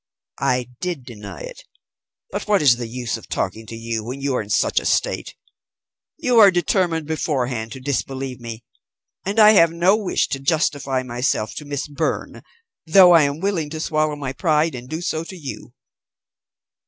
"I did deny it. But what is the use of talking to you when you are in such a state? You are determined beforehand to disbelieve me. And I have no wish to justify myself to Miss Byrne, though I am willing to swallow my pride and do so to you."